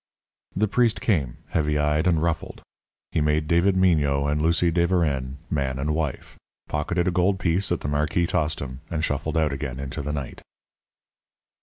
The priest came, heavy eyed and ruffled. He made David Mignot and Lucie de Verennes man and wife, pocketed a gold piece that the marquis tossed him, and shuffled out again into the night.